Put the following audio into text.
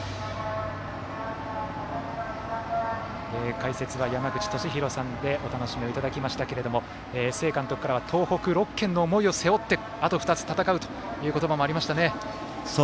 解説は山口敏弘さんでお楽しみをいただきましたけれども須江監督からは東北６県の思いも背負ってあと２つ戦うという言葉もありましたね。